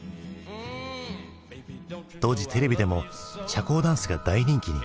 当時テレビでも社交ダンスが大人気に。